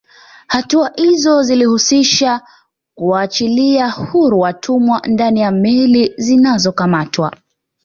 Hatua izo zilihusisha kuwaachilia huru watumwa ndani ya meli zinazokamatwa